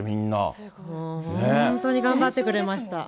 本当に頑張ってくれました。